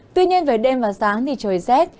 tuy nhiên về đêm và sáng thì trời rét